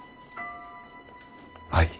はい。